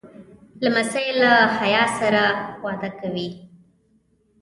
لمسی له حیا سره وده کوي.